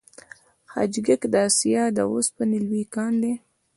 حاجي ګک د اسیا د وسپنې لوی کان دی